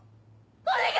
お願い！